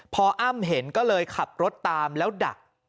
พออ้ำเห็นก็เลยขับรถตามแล้วดัก